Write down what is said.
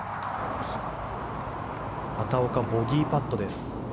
畑岡、ボギーパットです